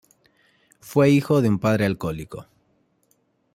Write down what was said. Fue hijo de un padre alcohólico.